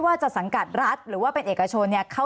ก็จะต้องตรวจเถอะ